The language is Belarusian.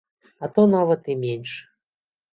А то нават і менш.